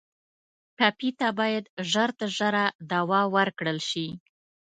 ټپي ته باید ژر تر ژره دوا ورکړل شي.